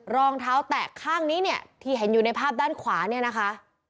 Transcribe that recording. รองเท้าแตะข้างนี้เนี่ยที่เห็นอยู่ในภาพด้านขวาเนี่ยนะคะ